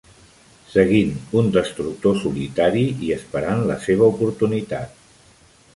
Seguint un destructor solitari i esperant la seva oportunitat.